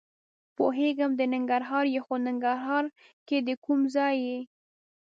پوهېږم د ننګرهار یې؟ خو ننګرهار کې د کوم ځای یې؟